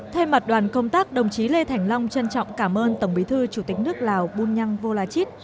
thay mặt đoàn công tác đồng chí lê thành long trân trọng cảm ơn tổng bí thư chủ tịch nước lào bunyang volachit